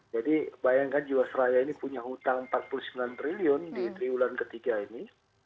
jadi bayangkan jawa seraya ini punya hutang rp empat puluh sembilan triliun di ulang ketiga ini